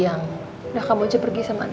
agak gak enak badan al